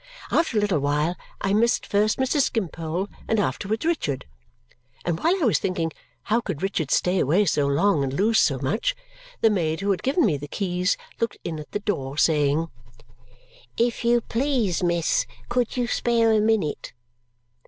After a little while I missed first Mr. Skimpole and afterwards Richard, and while I was thinking how could Richard stay away so long and lose so much, the maid who had given me the keys looked in at the door, saying, "If you please, miss, could you spare a minute?"